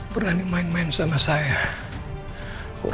berani main main sama saya sama semua